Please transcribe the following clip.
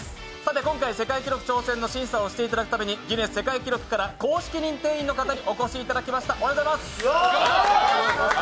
今回世界記録挑戦の審査をしていただくために、ギネス世界記録から公式認定員の方にお越しいただきました。